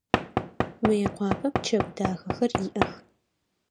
Мыекъуапэ пчэгу дахэхэр иӏэх.